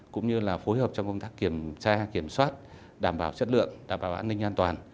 cũng như là phối hợp trong công tác kiểm tra kiểm soát đảm bảo chất lượng đảm bảo an ninh an toàn